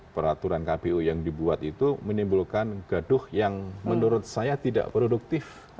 peraturan kpu yang dibuat itu menimbulkan gaduh yang menurut saya tidak produktif